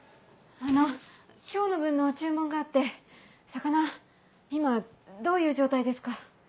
あの今日の分の注文があって魚今どういう状態ですか？